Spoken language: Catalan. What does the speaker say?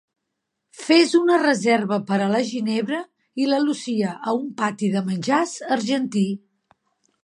Fes una reserva per a la Ginebra i la Lucia a un pati de menjars argentí